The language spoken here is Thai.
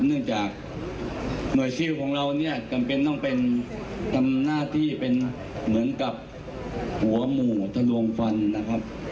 เนื่องจากหน่วยซิลของเราเนี่ยจำเป็นต้องเป็นทำหน้าที่เป็นเหมือนกับหัวหมู่ทะลวงฟันนะครับ